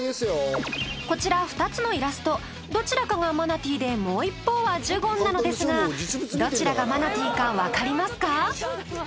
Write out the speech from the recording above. こちら２つのイラストどちらかがマナティーでもう一方はジュゴンなのですがどちらがマナティーかわかりますか？